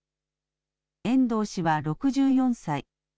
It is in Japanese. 遠藤氏は６４歳。